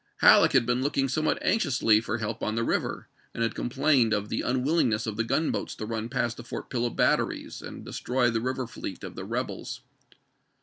Halleck had been looking somewhat anxiously for help on the river, and had complained of the un willingness of the gunboats to run past the Fort Pillow batteries and destroy the river fleet of the rebels.